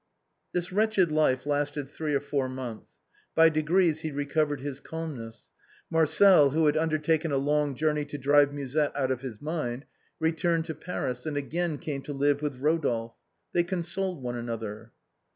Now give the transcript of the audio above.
This wretched life lasted three or four months. By de grees he recovered his calmness. Marcel, who had un dertaken a long journey to drive Musette out of his mind, returned to Paris, and again came to live with Eodolphe. They consoled one another.